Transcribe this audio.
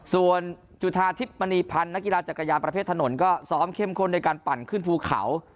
ส่วนจุธาทิพย์มณีพันธ์นักกีฬาจักรยานประเภทถนนก็ซ้อมเข้มข้นในการปั่นขึ้นภูเขา